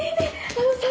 あのさ